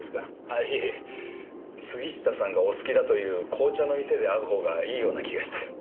いえ杉下さんがお好きだという紅茶の店で会うほうがいいような気がして。